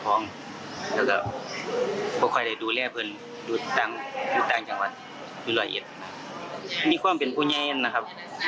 ก็ยังไข้กรทิมินิ่งชีวิตคนหนึ่งส่วนเขาสิ่งเลี่ยงไม่ไงนะครับ